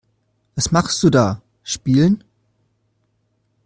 Was machst du da? Spielen.